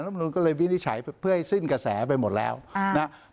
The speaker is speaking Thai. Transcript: มนุนก็เลยวินิจฉัยเพื่อให้สิ้นกระแสไปหมดแล้วนะครับ